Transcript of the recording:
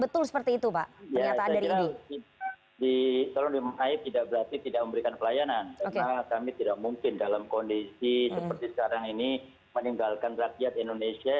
tidak mungkin dalam kondisi seperti sekarang ini meninggalkan rakyat indonesia